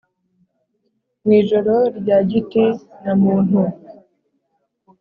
Mw'ijoro rya giti na muntu